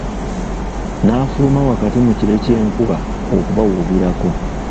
N'afuluma wakati mu kire ky'enkuba okubawuubirako.